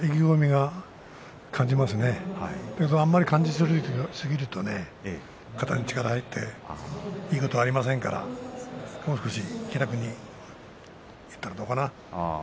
でもあんまり感じすぎると肩に力が入っていいことはありませんからもう少し気楽にいったらどうかな。